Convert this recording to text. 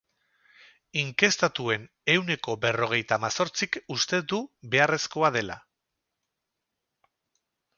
Inkestatuen ehuneko berrogeita hamazortzik uste du beharrezkoa dela.